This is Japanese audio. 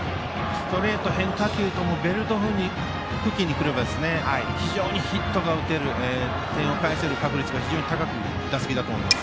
ストレート、変化球ともベルト付近に来れば非常にヒットが打てる点を返せる確率が非常に高い打席だと思います。